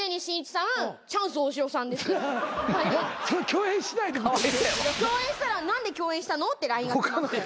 共演したら「何で共演したの？」ってＬＩＮＥが来ます。